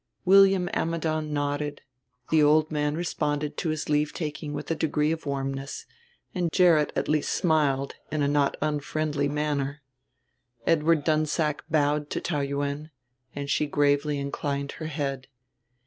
William Ammidon nodded, the old man responded to his leave taking with a degree of warmness, Gerrit at least smiled in a not unfriendly manner. Edward Dunsack bowed to Taou Yuen, and she gravely inclined her head.